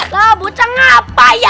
loh boceng apa ya